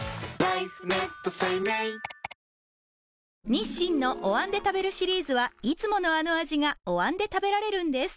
日清のお椀で食べるシリーズはいつものあの味がお椀で食べられるんです